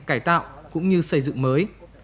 cải tạo cũng như xây dựng mới